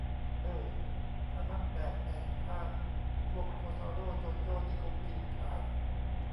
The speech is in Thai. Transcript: เอ้อ ถ้านับแบบแบ่งภาค พวกโคทาโร่ โจโจ้ นี่คงกินขาด